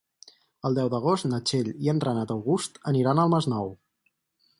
El deu d'agost na Txell i en Renat August aniran al Masnou.